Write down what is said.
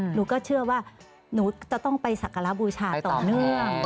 หนูก็เชื่อว่าหนูจะต้องไปสักการะบูชาต่อเนื่อง